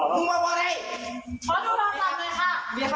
ความสั่นหน่อยค่ะ